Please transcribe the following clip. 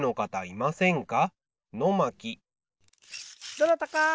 どなたか！